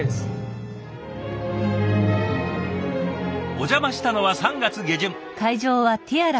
お邪魔したのは３月下旬。